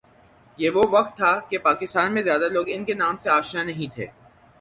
یہ وہ وقت تھا کہ پاکستان میں زیادہ لوگ ان کے نام سے آشنا نہیں تھے